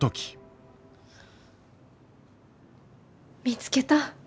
見つけた。